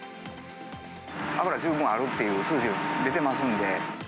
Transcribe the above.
脂十分あるっていう数値出てますんで。